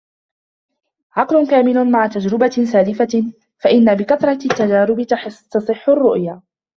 عَقْلٌ كَامِلٌ مَعَ تَجْرِبَةٍ سَالِفَةٍ فَإِنَّ بِكَثْرَةِ التَّجَارِبِ تَصِحُّ الرَّوِيَّةُ